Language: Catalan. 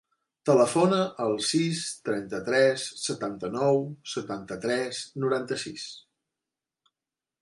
Telefona al sis, trenta-tres, setanta-nou, setanta-tres, noranta-sis.